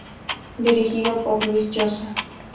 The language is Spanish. Dirigido por Luis Llosa.